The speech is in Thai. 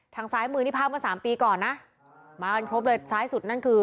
ซ้ายมือนี่ภาพเมื่อสามปีก่อนนะมากันครบเลยซ้ายสุดนั่นคือ